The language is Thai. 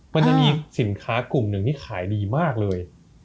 มันจะมีสินค้ากลุ่มหนึ่งที่ขายดีมากเลย